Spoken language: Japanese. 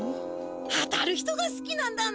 当たる人がすきなんだな。